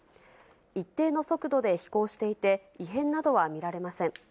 一定の速度で飛行していて、異変などは見られません。